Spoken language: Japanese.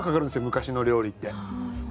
昔の料理って。